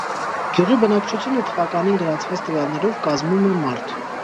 Գյուղի բնակչությունը թվականին գրանցված տվյալներով կազմում է մարդ։